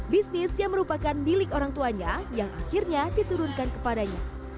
bisnis yang merupakan milik orang tuanya yang akhirnya diturunkan kepadanya